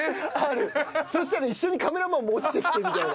そしたら一緒にカメラマンも落ちてきてみたいな。